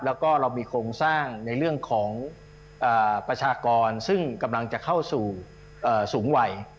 แล้วก็เรามีโครงสร้างในเรื่องของประชากรซึ่งกำลังจะเข้าสู่สูงวัย